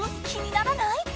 気にならない？